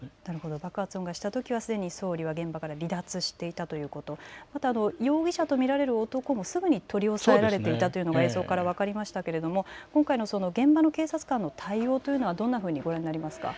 爆発音がしたときはすぐに総理は現場から離脱していたということ、また容疑者と見られる男もすぐに取り押さえられていたというのが映像から分かりましたけども、今回の現場の警察官の対応というのはどんなふうにご覧になりますか。